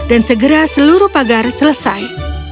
dan segera seluruh pagar selesai